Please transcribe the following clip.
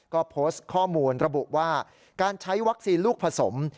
ก็โพสต์ข้อมูลระบุว่าการใช้วัคซีนลูกผสม